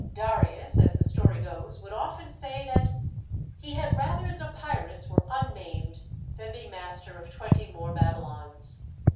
Darius, as the story goes, would often say that "he had rather Zopyrus were unmaimed, than be master of twenty more Bab3dons."